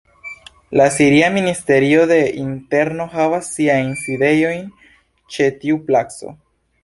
La Siria Ministerio de Interno havas siajn sidejojn ĉe tiu placo.